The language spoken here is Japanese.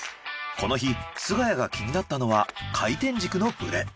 この日菅谷が気になったのは回転軸のブレ。